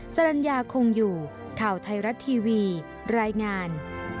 สรรญาคงอยู่ข่าวไทยรัฐทีวีรายงาน